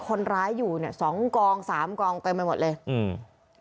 คนร้ายอยู่เนี้ยสองกองสามกองเต็มไปหมดเลยอืม